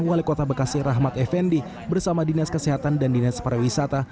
wali kota bekasi rahmat effendi bersama dinas kesehatan dan dinas pariwisata